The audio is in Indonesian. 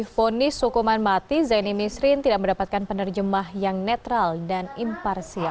fonis hukuman mati zaini misrin tidak mendapatkan penerjemah yang netral dan imparsial